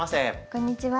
こんにちは。